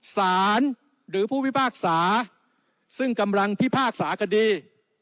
หรือผู้พิพากษาซึ่งกำลังพิพากษาคดี